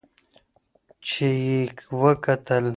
چي یې وکتل